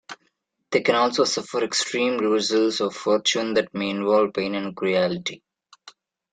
They can also suffer extreme reversals of fortune that may involve pain and cruelty.